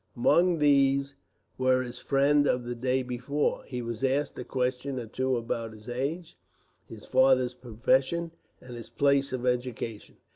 Among these was his friend of the day before. He was asked a question or two about his age, his father's profession, and his place of education.